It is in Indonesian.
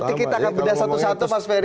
nanti kita akan bedah satu satu mas ferry